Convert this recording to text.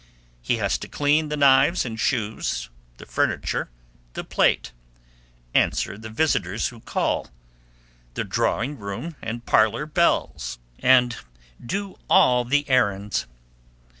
He has to clean the knives and shoes, the furniture, the plate; answer the visitors who call, the drawing room and parlour bells; and do all the errands.